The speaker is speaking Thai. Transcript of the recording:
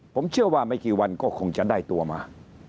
ผมเชื่อว่าไม่กี่วันก็คงจะได้ตัวมา